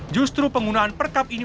justru penggunaan perkap ini